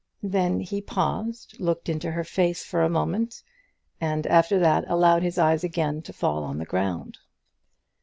Then he paused, looked into her face for a moment, and after that, allowed his eyes again to fall on the ground.